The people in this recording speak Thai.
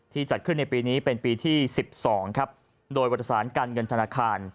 จัดขึ้นในปีนี้เป็นปีที่๑๒ครับโดยบริษัทการเงินธนาคาร